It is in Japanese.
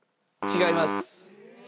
違います。